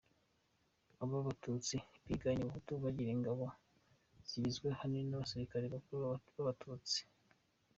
Aba batutsi biganye abahutu bagira ingabo zigizwe ahanini n’abasirikare bakuru b’abatutsi.